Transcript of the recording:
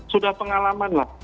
sudah pengalaman lah